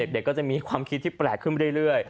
เด็กก็จะมีความคิดที่แปลกขึ้นเรื่อย